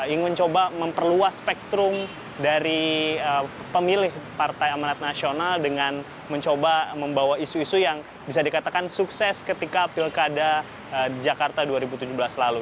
ingin coba memperluas spektrum dari pemilih partai amanat nasional dengan mencoba membawa isu isu yang bisa dikatakan sukses ketika pilkada jakarta dua ribu tujuh belas lalu